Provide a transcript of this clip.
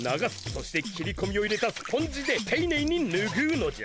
そして切り込みを入れたスポンジでていねいにぬぐうのじゃ。